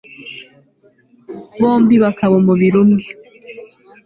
bombi bakaba umubiri umwe'